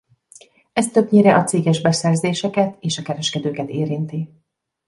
Ez többnyire a céges beszerzéseket és a kereskedőket érinti.